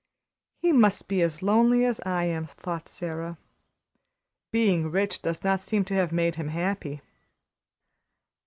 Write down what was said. "He must be as lonely as I am," thought Sara. "Being rich does not seem to make him happy."